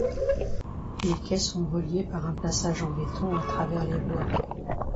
Les quais sont reliés par un passage en béton à travers les voies.